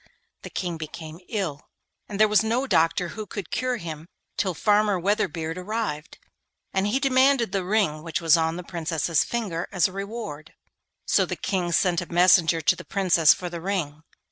The King became ill, and there was no doctor who could cure him till Farmer Weatherbeard arrived, and he demanded the ring which was on the Princess's finger as a reward. So the King sent a messenger to the Princess for the ring.